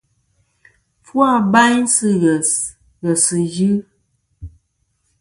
Fu abayn sɨ̂ ghès ghèsɨ̀ yɨ.